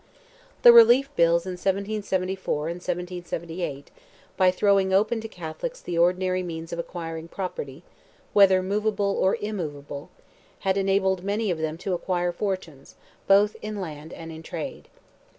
The relief bills in 1774 and 1778, by throwing open to Catholics the ordinary means of acquiring property, whether moveable or immoveable, had enabled many of them to acquire fortunes, both in land and in trade.